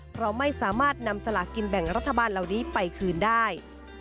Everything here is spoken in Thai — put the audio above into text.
เพราะไม่สามารถนำสลากินแบ่งรัฐบาลเหล่านี้ไปคืนได้